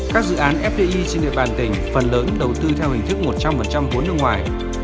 các dự án fdi trên địa bàn tỉnh phần lớn đầu tư theo hình thức một trăm linh vốn nước ngoài